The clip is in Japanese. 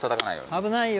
危ないよ。